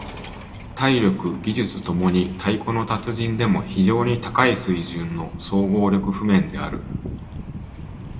体力・技術共に太鼓の達人でも非常に高い水準の総合力譜面である。